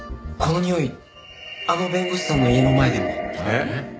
このにおいあの弁護士さんの家の前でも。